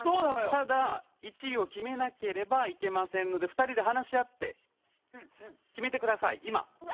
ただ１位を決めなければいけませんので２人で話し合って決めてください。